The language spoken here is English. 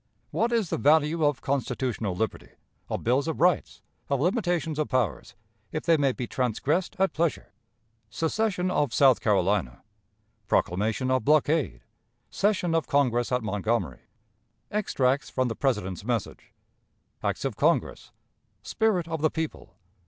What is the Value of Constitutional Liberty, of Bills of Rights, of Limitations of Powers, if they may be transgressed at Pleasure? Secession of South Carolina. Proclamation of Blockade. Session of Congress at Montgomery. Extracts from the President's Message. Acts of Congress. Spirit of the People.